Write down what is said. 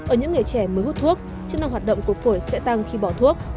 ở những người trẻ mới hút thuốc chức năng hoạt động của phổi sẽ tăng khi bỏ thuốc